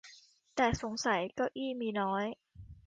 แต่สงสัยเก้าอี้มีน้อย